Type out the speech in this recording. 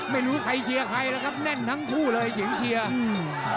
ไม่รู้ใครเชียร์ใครแล้วครับแน่นทั้งคู่เลยเสียงเชียร์อืม